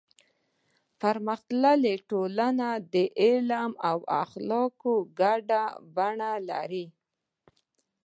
پرمختللې ټولنه د علم او اخلاقو ګډه بڼه لري.